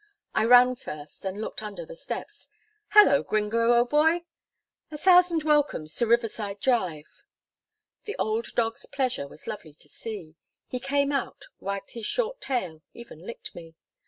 I ran first, and looked under the steps. "Hello! Gringo, old boy a thousand welcomes to Riverside Drive." The old dog's pleasure was lovely to see. He came out, wagged his short tail, even licked me.